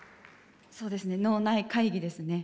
そうですね脳内会議ですね。